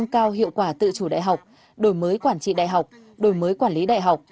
cao hiệu quả tự chủ đại học đổi mới quản trị đại học đổi mới quản lý đại học